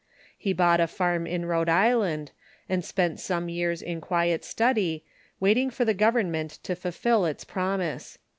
He bought a farm in Rhode Island, and spent some years in quiet study, waiting for the government to fulfil its promise.